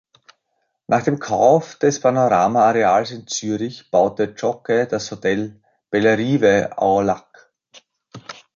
Nach dem Kauf des Panorama-Areals in Zürich baute Zschokke das Hotel Bellerive au Lac.